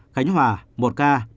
khánh hòa một ca